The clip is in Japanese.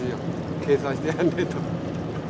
計算してやんねえと。